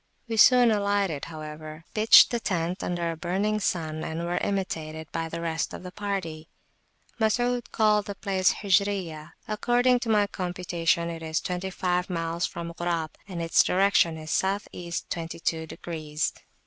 We soon alighted, however, pitched the tent under a burning sun, and were imitated by the rest of the party. Masud called the place Hijriyah. According to my computation, it is twenty five miles from Ghurab, and its direction is South East twenty two degrees.